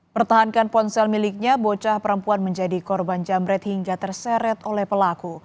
pertahankan ponsel miliknya bocah perempuan menjadi korban jamret hingga terseret oleh pelaku